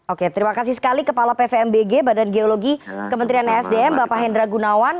oke terima kasih sekali kepala pvmbg badan geologi kementerian esdm bapak hendra gunawan